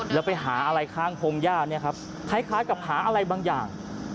แล้วไปหาอะไรข้างพงหญ้าเนี่ยครับคล้ายกับหาอะไรบางอย่าง